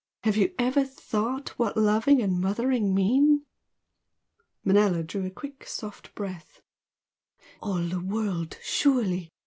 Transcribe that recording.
have you ever thought what loving and mothering mean?" Manella drew a quick soft breath. "All the world, surely!"